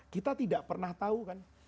kita tidak pernah tahu kan